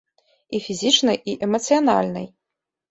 І фізічнай, і эмацыянальнай.